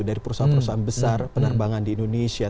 dari perusahaan perusahaan besar penerbangan di indonesia